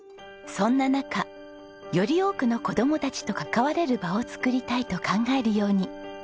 そんな中より多くの子どもたちと関われる場を作りたいと考えるように。